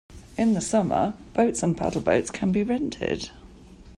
In the summer, boats and paddle boats can be rented.